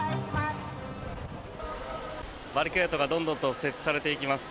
バリケードがどんどんと設置されていきます。